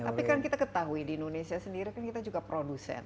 tapi kan kita ketahui di indonesia sendiri kan kita juga produsen